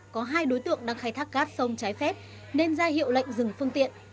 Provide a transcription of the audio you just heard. có hai đối tượng đang khai thác cát sông trái phép nên ra hiệu lệnh dừng phương tiện